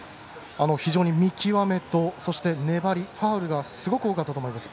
非常に見極めと粘りファウルがすごく多かったと思います。